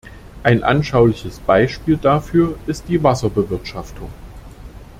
Ein anschauliches Beispiel dafür ist die Wasserbewirtschaftung.